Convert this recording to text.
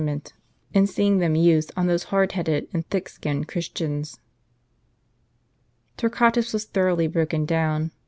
^ ment, in seeing them used on those hard headed and thick skinned Christians. Torquatus was thoroughly broken down.